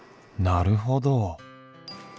なるほど。